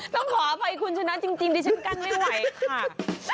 ต้องขออภัยคุณชนะจริงดิฉันกั้นไม่ไหวค่ะ